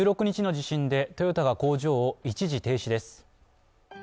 １６日の地震でトヨタが工場を一時停止です。